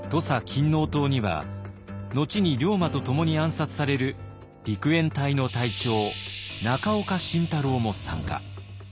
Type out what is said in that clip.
勤王党には後に龍馬と共に暗殺される陸援隊の隊長中岡慎太郎も参加。